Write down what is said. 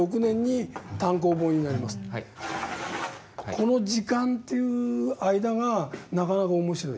この時間という間がなかなか面白い。